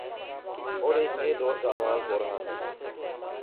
اورایک نئے دور کا آغاز ہو رہاہے۔